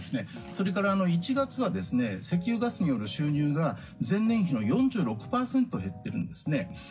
それから１月は石油・ガスによる収入が前年比の４６％減っているんですね。